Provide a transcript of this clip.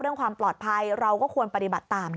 เรื่องความปลอดภัยเราก็ควรปฏิบัติตาม